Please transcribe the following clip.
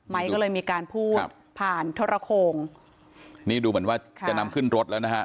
ก็เลยมีการพูดผ่านทรโคงนี่ดูเหมือนว่าจะนำขึ้นรถแล้วนะฮะ